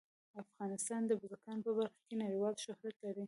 افغانستان د بزګان په برخه کې نړیوال شهرت لري.